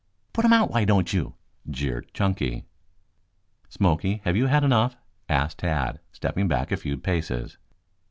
"Put him out, why don't you?" jeered Chunky. "Smoky, have you had enough?" asked Tad, stepping back a few paces.